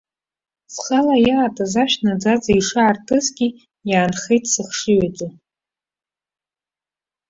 Зхала иаатыз ашә наӡаӡа ишаартызгьы иаанхеит сыхшыҩ аҿы.